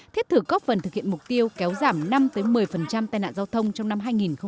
thiết thử góp phần thực hiện mục tiêu kéo giảm năm một mươi tai nạn giao thông trong năm hai nghìn hai mươi